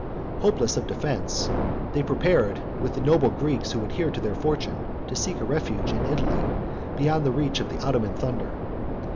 Hopeless of defence, they prepared, with the noble Greeks who adhered to their fortune, to seek a refuge in Italy, beyond the reach of the Ottoman thunder.